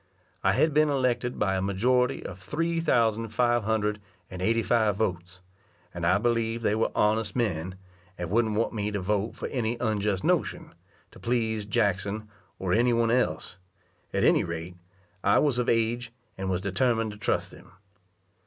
I had been elected by a majority of three thousand five hundred and eighty five votes, and I believed they were honest men, and wouldn't want me to vote for any unjust notion, to please Jackson or any one else; at any rate, I was of age, and was determined to trust them.